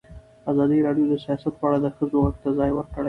ازادي راډیو د سیاست په اړه د ښځو غږ ته ځای ورکړی.